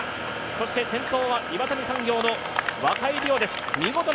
そして先頭は岩谷産業の若井莉央です。